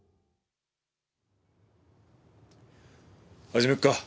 始めっか。